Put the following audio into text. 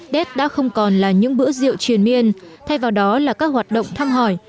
tết đã không còn là những bữa rượu truyền miên thay vào đó là các hoạt động thăm hỏi